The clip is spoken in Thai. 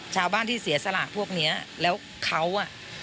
ชาวบ้านที่เสียสลากพวกเนี้ยแล้วเขาอ่ะ